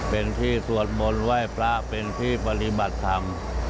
เป็นที่สวดมนต์ไหว้พระเป็นที่ปฏิบัติธรรม